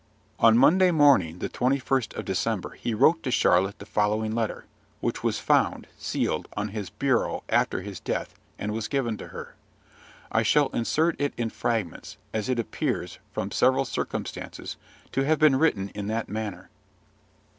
On Monday morning, the 21st of December, he wrote to Charlotte the following letter, which was found, sealed, on his bureau after his death, and was given to her. I shall insert it in fragments; as it appears, from several circumstances, to have been written in that manner.